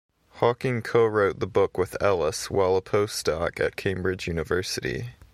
Hawking co-wrote the book with Ellis, while a post doc at Cambridge University.